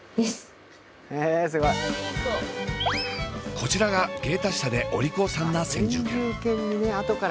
こちらが芸達者でお利口さんな先住犬。